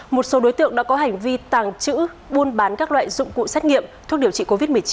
một số đối tượng đã có hành vi tàng trữ buôn bán các loại dụng cụ xét nghiệm thuốc điều trị covid một mươi chín